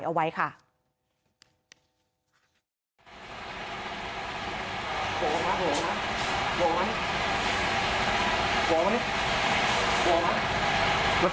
ปีบไว้ไปไหน